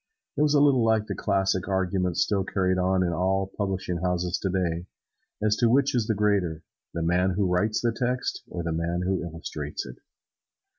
It was a little like the classic argument still carried on in all publishing houses, as to which is the greater: the man who writes the text or the man who illustrates it.